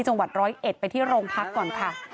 จังหวัดร้อยเอ็ดไปที่โรงพักก่อนค่ะ